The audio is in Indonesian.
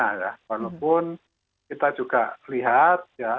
walaupun kita juga lihat ya